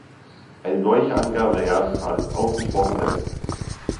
Eine solche Angabe der Jahreszahl ist ausgesprochen selten.